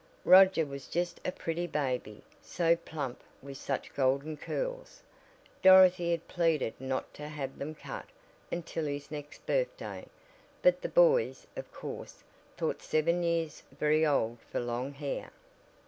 Roger was just a pretty baby, so plump and with such golden curls! Dorothy had pleaded not to have them cut until his next birthday, but the boys, of course, thought seven years very old for long hair.